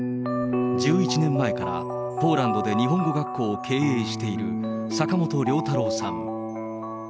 １１年前から、ポーランドで日本語学校を経営している坂本龍太朗さん。